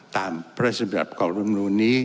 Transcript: ตามพระราชิบรับกรอบประมนูลนี้